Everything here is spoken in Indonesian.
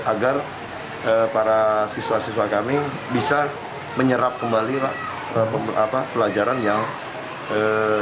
agar para siswa siswa kami bisa menyerap kembali pelajaran yang diberikan